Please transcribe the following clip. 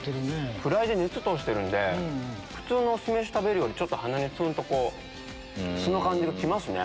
フライで熱通してるんで普通の酢飯食べるよりちょっと鼻にツンと酢の感じが来ますね。